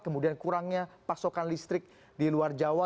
kemudian kurangnya pasokan listrik di luar jawa